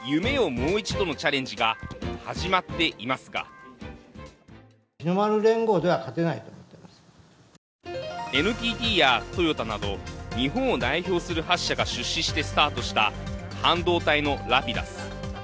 もう一度のチャレンジが始まっていますがＮＴＴやトヨタなど日本を代表する８社が出資してスタートした半導体のＲａｐｉｄｕｓ。